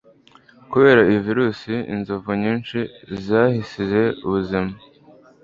Kubera iyo virusi, inzovu nyinshi zahasize ubuzima.